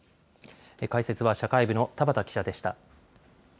解説は社会部の田畑記者でした。